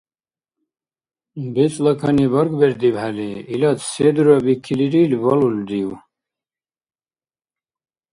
БецӀла кани баргбердибхӀели, илад се дурабикилрил балулрив?